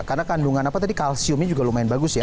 karena kandungan apa tadi kalsiumnya juga lumayan bagus ya